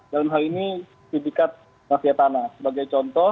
dalam hal ini